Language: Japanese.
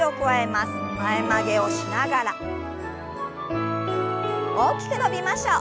前曲げをしながら大きく伸びましょう。